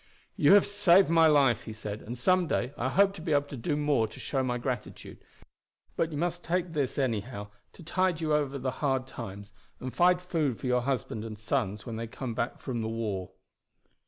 "You have saved my life," he said, "and some day I hope to be able to do more to show my gratitude; but you must take this anyhow to tide you over the hard times, and find food for your husband and sons when they come back from the war."